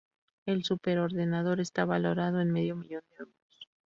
El superordenador está valorado en medio millón de euros.